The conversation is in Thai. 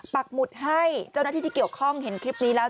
ปักหมุดให้เจ้าหน้าที่ที่เกี่ยวข้องเห็นคลิปนี้แล้ว